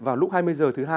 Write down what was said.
vào lúc hai mươi h thứ hai